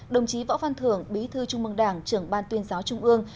đồng chí võ văn thưởng bí thư trung mương đảng trưởng ban tuyên giáo trung ương